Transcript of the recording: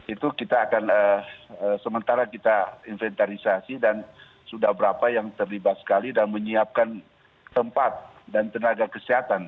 itu kita akan sementara kita inventarisasi dan sudah berapa yang terlibat sekali dan menyiapkan tempat dan tenaga kesehatan